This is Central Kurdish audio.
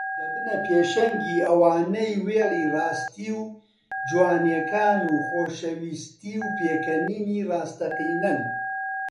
دەبنە پێشەنگی ئەوانەی وێڵی ڕاستی و جوانییەکان و خۆشەویستی و پێکەنینی ڕاستەقینەن